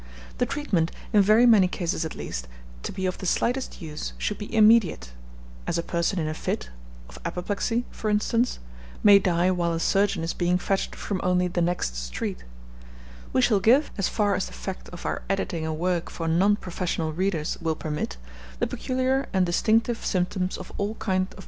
The treatment, in very many cases at least, to be of the slightest use, should be immediate, as a person in a fit (of apoplexy for instance) may die while a surgeon is being fetched from only the next street. We shall give, as far as the fact of our editing a work for non professional readers will permit, the peculiar and distinctive symptoms of all kind of fits, and the immediate treatment to be adopted in each case.